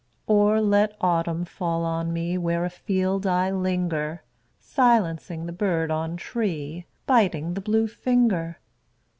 Or let autumn fall on me Where afield I linger, Silencing the bird on tree, Biting the blue finger.